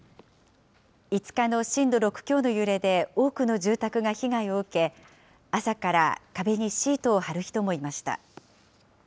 ５日の震度６強の揺れで多くの住宅が被害を受け、朝から壁にシートを張る人もいました。